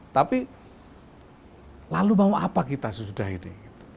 tapi lalu mau apa kita sesudahnya